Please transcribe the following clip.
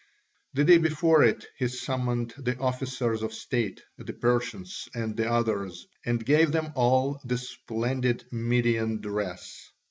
The day before it he summoned the officers of state, the Persians and the others, and gave them all the splendid Median dress.